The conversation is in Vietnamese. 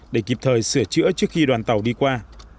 để kịp thời sửa chữa trước khi đoàn tàu đi qua